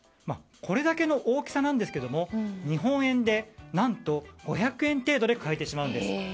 これだけの大きさなんですが日本円で何と５００円程度で買えてしまうんです。